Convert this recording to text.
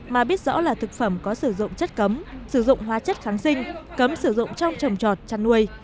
mà biết rõ là thực phẩm có sử dụng chất cấm sử dụng hóa chất kháng sinh cấm sử dụng trong trồng trọt chăn nuôi